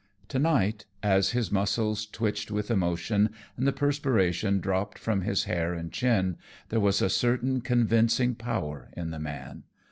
To night, as his muscles twitched with emotion, and the perspiration dropped from his hair and chin, there was a certain convincing power in the man.